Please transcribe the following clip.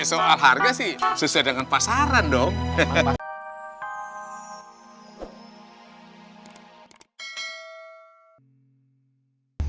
soal harga sih sesuai dengan pasaran dong